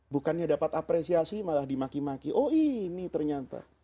bukannya dapat apresiasi malah dimaki maki oh ini ternyata